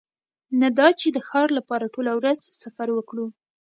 نه دا چې د ښار لپاره ټوله ورځ سفر وکړو